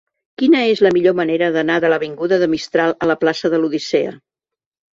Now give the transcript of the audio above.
Quina és la millor manera d'anar de l'avinguda de Mistral a la plaça de l'Odissea?